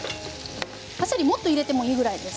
もっと入れてもいいぐらいです。